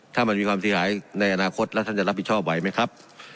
ถ้ามันมีความเสียหายในอนาคตแล้วท่านจะรับผิดชอบไหวไหมครับ